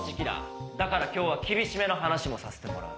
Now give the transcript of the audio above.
だから今日は厳しめな話もさせてもらう。